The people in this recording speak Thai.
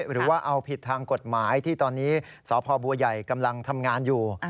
หรือว่าเอาผิดทางกฎหมายที่ตอนนี้สพบัวใหญ่กำลังทำงานอยู่